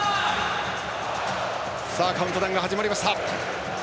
カウントダウンが始まりました。